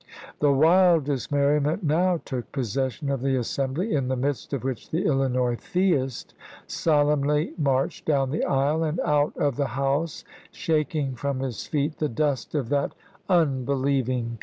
The wildest merriment now took possession of the assembly, in the midst of which the Illinois theist solemnly marched down the aisle and out of the house, shaking from his feet the dust of that unbe lieving Convention.